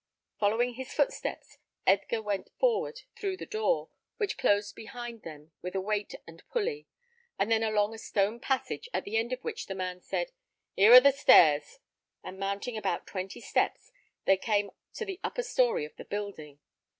Following his footsteps, Edgar went forward through a door, which closed behind them with a weight and pulley, and then along a stone passage, at the end of which the man said, "Here are the stairs;" and mounting about twenty steps, they came to the upper story of the building.